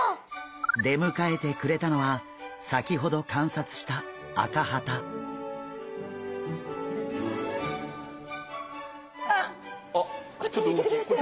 でむかえてくれたのは先ほど観察したあっこっち向いてくれましたよ。